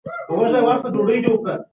په واده کي پسه حلالول مستحب عمل دی.